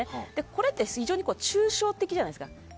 これって非常に抽象的じゃないですか。